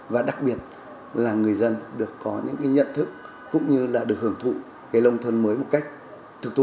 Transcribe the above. và đặc biệt là người dân được có những cái nhận thức cũng như là được hưởng thụ cái nông thôn mới một cách thực thụ